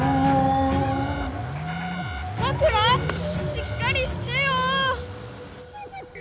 しっかりしてよ！